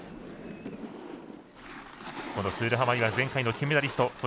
このスールハマリは前回の金メダリスト。